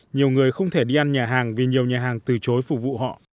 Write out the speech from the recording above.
nhiều người không thể đi ăn nhà hàng vì nhiều nhà hàng từ chối phục vụ họ